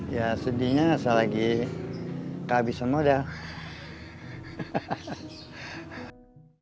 ya sedihnya saya lagi tak bisa modal